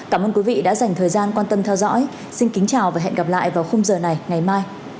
cảm ơn quý vị đã dành thời gian quan tâm theo dõi xin kính chào và hẹn gặp lại vào khung giờ này ngày mai